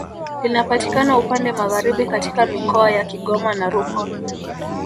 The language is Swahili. Linapatikana upande Magharibi katika mikoa ya Kigoma na Rukwa